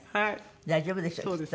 大丈夫でしょうきっとね。